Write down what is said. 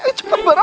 ayo cepat barah